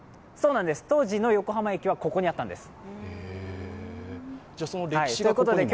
当時の横浜駅はここにあったんです。